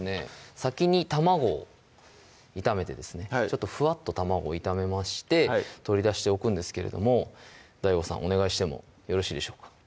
先に卵を炒めてですねふわっと卵を炒めまして取り出しておくんですけれどもＤＡＩＧＯさんお願いしてもよろしいでしょうか？